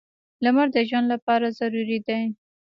• لمر د ژوند لپاره ضروري دی.